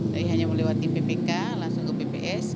jadi hanya melewati ppk langsung ke bps